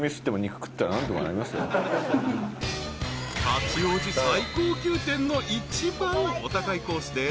［八王子最高級店の一番お高いコースで］